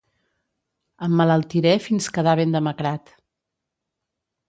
Emmalaltiré fins quedar ben demacrat.